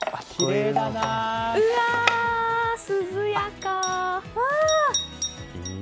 うわあ、涼やか！